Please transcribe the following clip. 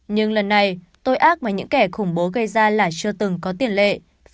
nhưng lần này tội ác mà những kẻ khủng bố gây ra là chưa từng có tiền lệ